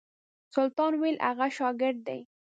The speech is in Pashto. سلطان ویل هغه شاګرد دی.